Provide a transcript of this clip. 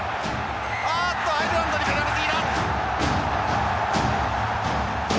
あっとアイルランドにペナルティだ！